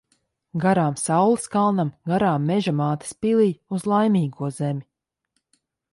Garām saules kalnam, garām Meža mātes pilij. Uz Laimīgo zemi.